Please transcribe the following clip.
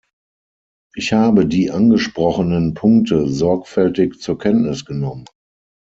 Ich habe die angesprochenen Punkte sorgfältig zur Kenntnis genommen.